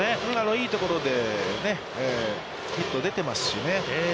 いいところでね、ヒットが出てますしね。